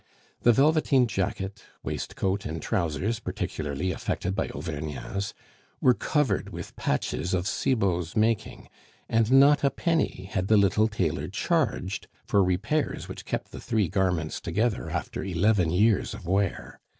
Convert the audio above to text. The velveteen jacket, waistcoat, and trousers, particularly affected by Auvergnats, were covered with patches of Cibot's making, and not a penny had the little tailor charged for repairs which kept the three garments together after eleven years of wear.